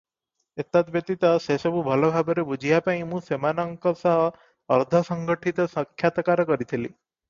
ଏତଦ୍ ବ୍ୟତୀତ ସେସବୁ ଭଲ ଭାବରେ ବୁଝିବା ପାଇଁ ମୁଁ ସେମାନନଙ୍କ ସହ ଅର୍ଦ୍ଧ-ସଂଗଠିତ ସାକ୍ଷାତକାର କରିଥିଲି ।